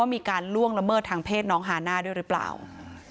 มีการล่วงละเมิดทางเพศน้องฮาน่าด้วยหรือเปล่า